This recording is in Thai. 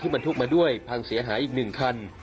ที่มันทุกข์มาด้วยพางเสียหายอีก๑คัน